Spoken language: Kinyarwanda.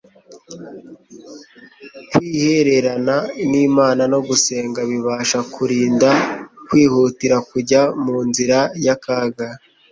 Kwihererana n'Imana no gusenga bibasha kuturinda kwihutira kujya mu nzira y'akaga,